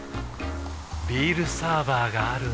ビールサーバーがある夏。